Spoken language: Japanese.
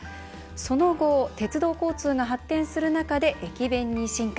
その後、鉄道交通が発展する中で駅弁に進化。